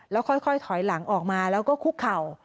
แล้วค่อยถอยหลังออกมาแล้วก็คุกเข่า